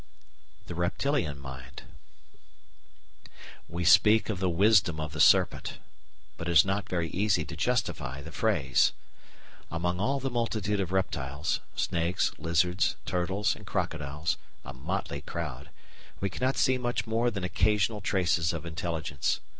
§ 4 The Reptilian Mind We speak of the wisdom of the serpent; but it is not very easy to justify the phrase. Among all the multitude of reptiles snakes, lizards, turtles, and crocodiles, a motley crowd we cannot see much more than occasional traces of intelligence.